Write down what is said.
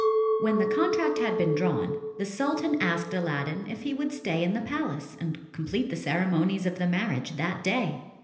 When the contract had been drawn, the sultan asked Aladdin if he would stay in the palace and complete the ceremonies of the marriage that day.